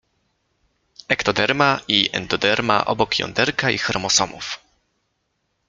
Ektoderma i endoderma obok jąderka i chromosomów.